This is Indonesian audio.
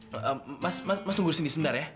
mas mas mas tunggu di sini sebentar ya